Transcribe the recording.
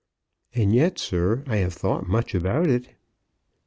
"And yet, sir, I have thought much about it."